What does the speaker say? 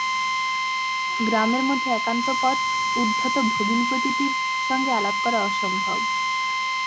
গ্রামের মধ্যে একান্ত পর উদ্ধত ভগিনীপতিটির সঙ্গে আলাপ করা অসম্ভব।